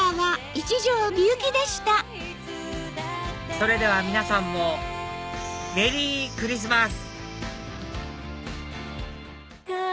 それでは皆さんもメリークリスマス！